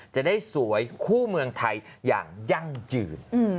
จะได้สวยคู่เมืองไทยอย่างยั่งยืน